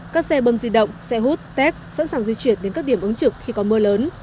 các xe bơm di động xe hút tét sẵn sàng di chuyển đến các điểm ứng trực khi có mưa lớn